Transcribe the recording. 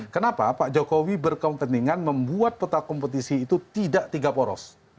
kenapa pak jokowi berkepentingan membuat peta kompetisi itu tidak tiga poros